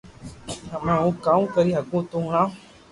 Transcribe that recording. ھمي ھو ڪاو ڪري ھگو تو ھڻاو